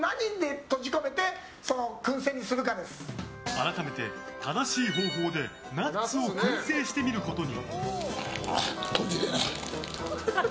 改めて、正しい方法でナッツを燻製してみることに。